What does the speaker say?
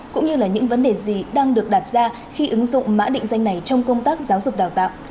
cũng như là những vấn đề gì đang được đặt ra khi ứng dụng mã định danh này trong công tác giáo dục đào tạo